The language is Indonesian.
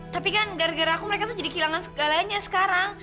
tapi kan gara gara aku mereka tuh jadi kehilangan segalanya sekarang